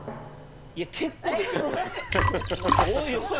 いや結構ですよこれ。